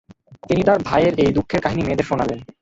তিনি তাঁর ভাইয়ের এই দুঃখের কাহিনী মেয়েদের শোনালেন।